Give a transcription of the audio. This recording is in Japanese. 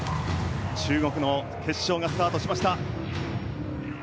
中国の決勝がスタートしました。